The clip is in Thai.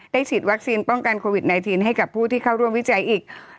ฉีดวัคซีนป้องกันโควิด๑๙ให้กับผู้ที่เข้าร่วมวิจัยอีก